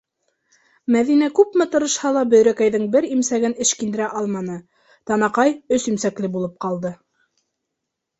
Мәҙинә күпме тырышһа ла Бөйрәкәйҙең бер имсәген эшкиндерә алманы: танаҡай өс имсәкле булып ҡалды.